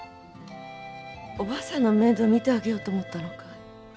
おばあさんの面倒を見てあげようと思ったのかい。